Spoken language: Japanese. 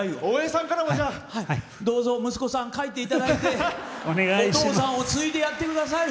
どうぞ息子さん帰っていただいてお父さんを継いでやってください。